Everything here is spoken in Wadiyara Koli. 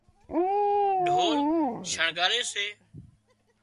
ڍول شڻڳاري سي